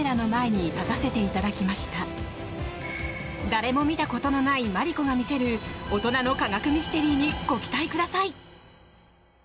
誰も見たことのないマリコが見せる大人の科学ミステリーにご期待ください！